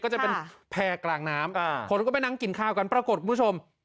ก็จะเป็นแพร่กลางน้ำคนก็ไปนั่งกินข้าวกันปรากฏคุณผู้ชม